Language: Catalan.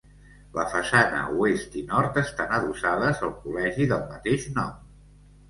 La façana oest i nord estan adossades al col·legi del mateix nom.